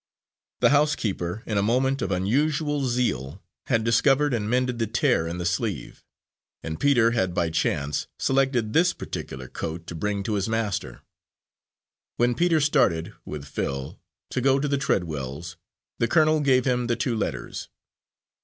The housekeeper, in a moment of unusual zeal, had discovered and mended the tear in the sleeve, and Peter had by chance selected this particular coat to bring to his master. When Peter started, with Phil, to go to the Treadwells', the colonel gave him the two letters.